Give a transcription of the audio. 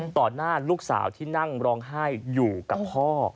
หน้าลูกสาวที่นั่งร้องไห้อยู่กับพ่อ